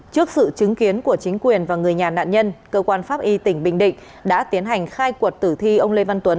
trước sự chứng kiến của chính quyền và người nhà nạn nhân cơ quan pháp y tỉnh bình định đã tiến hành khai quật tử thi ông lê văn tuấn